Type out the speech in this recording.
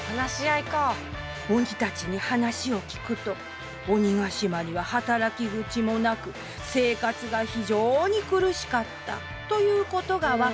鬼たちに話を聞くと「鬼ヶ島には働き口もなく生活が非常に苦しかった」ということが分かりました。